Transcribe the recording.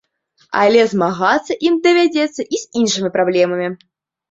Але змагацца ім давядзецца і з іншымі праблемамі.